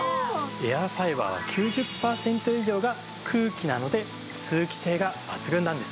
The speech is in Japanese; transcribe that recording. エアファイバーは９０パーセント以上が空気なので通気性が抜群なんです。